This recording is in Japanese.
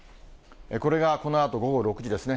これがこのあと午後６時ですね。